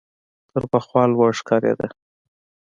تر پخوا لوړ ښکارېده .